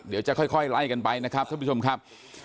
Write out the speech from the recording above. เดี๋ยวจะค่อยไล่กันไปนะครับท่านผู้ชมครับ